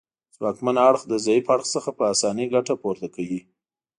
ځواکمن اړخ له ضعیف اړخ څخه په اسانۍ ګټه پورته کوي